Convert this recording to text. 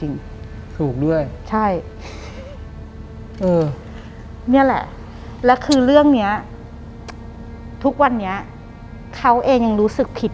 หลังจากนั้นเราไม่ได้คุยกันนะคะเดินเข้าบ้านอืม